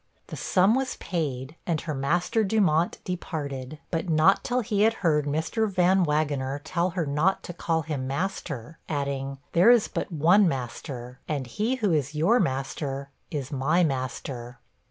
The sum was paid, and her master Dumont departed; but not till he had heard Mr. Van Wagener tell her not to call him master adding, 'there is but one master; and he who is your master is my master.'